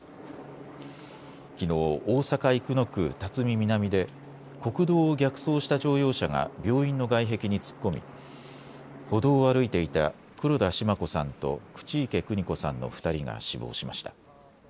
きのう大阪生野区巽南で国道を逆走した乗用車が病院の外壁に突っ込み歩道を歩いていた黒田シマ子さんと口池邦子さんの２人が死亡しました。